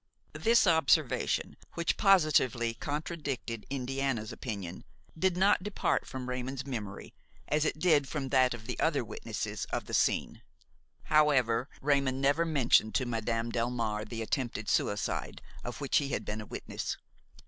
This observation, which positively contradicted Indiana's opinion, did not depart from Raymon's memory as it did from that of the other witnesses of the scene However Raymon never mentioned to Madame Delmare the attempted suicide of which he had been a witness.